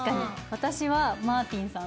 私はマーティンさん。